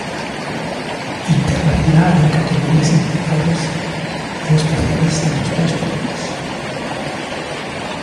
Internacional en categorías inferiores e especialista no tres por tres.